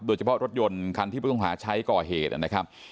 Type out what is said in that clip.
โดยเฉพาะรถยนต์คันที่ผู้ต้องหาใช้ก่อเหตุนะครับ